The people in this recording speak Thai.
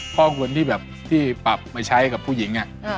ข้อควรที่แบบที่ปราบมาใช้กับผู้หญิงน่ะ